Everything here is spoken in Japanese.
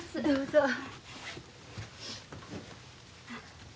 どうぞ。